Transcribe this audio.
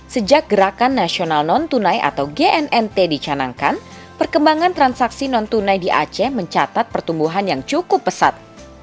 sejak gerakan nasional non tunai atau gnnt dicanangkan perkembangan transaksi non tunai di aceh mencatat pertumbuhan yang cukup pesat